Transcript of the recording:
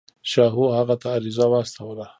شاهو هغه ته عریضه واستوله.